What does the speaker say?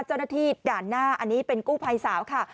เจ้าหน้าที่ด่านหน้าอันนี้เป็นกู้ภัยสาวค่ะ